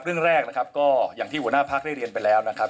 เรื่องแรกนะครับก็อย่างที่หัวหน้าพักได้เรียนไปแล้วนะครับ